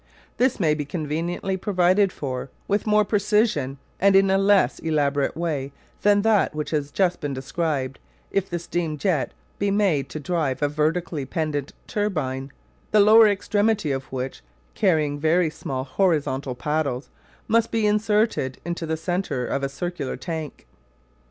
This may be conveniently provided for, with more precision and in a less elaborate way than that which has just been described, if the steam jet be made to drive a vertically pendant turbine, the lower extremity of which, carrying very small horizontal paddles, must be inserted into the centre of a circular tank.